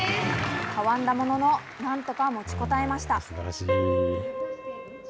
たわんだものの、なんとか持ちこたえました。